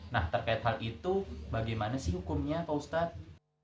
nah terkait hal itu bagaimana sih hukumnya pak ustadz